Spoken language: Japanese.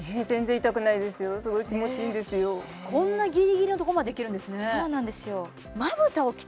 こんなギリギリのとこまでそうなんですよ